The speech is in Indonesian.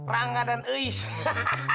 rangga dan eish